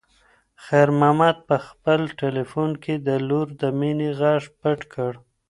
خیر محمد په خپل تلیفون کې د لور د مینې غږ پټ کړ.